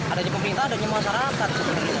ada pemerintah ada masyarakat